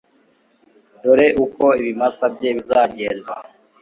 dore uko ibimasa bye bizagenzwa